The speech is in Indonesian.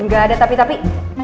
gak ada tapi tapi